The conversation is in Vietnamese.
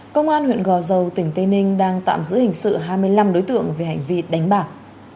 công an huyện gò dầu tỉnh tây ninh đang tạm giữ hình sự hai mươi năm đối tượng về hành vi đánh bạc